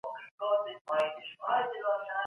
ډیپلوماټیک استازي د هیواد سترګې او غوږونه دي.